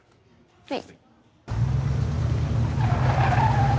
はい。